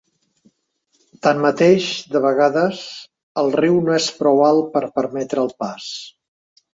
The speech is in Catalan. Tanmateix, de vegades, el riu no és prou alt per permetre el pas.